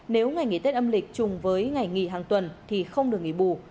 nếu ngày nghỉ tết âm lịch chung với ngày nghỉ hàng tuần thì không được nghỉ bù